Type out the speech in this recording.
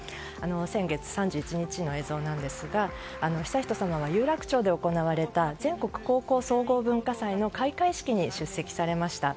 先月３１日の映像ですが悠仁さまは有楽町で行われた全国高校総合文化祭の開会式に出席されました。